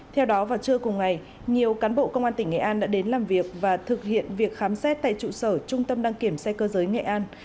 theo đó vào trưa cùng ngày nhiều cán bộ công an tỉnh nghệ an đã đến làm việc và thực hiện việc khám xét tại trụ sở trung tâm đăng kiểm xe cơ giới nghệ an